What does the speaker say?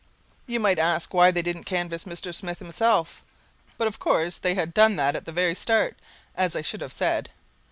You might ask why they didn't canvass Mr. Smith himself, but of course they had done that at the very start, as I should have said.